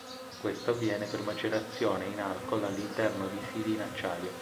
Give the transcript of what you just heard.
Questo avviene per macerazione in alcool all'interno di sili in acciaio.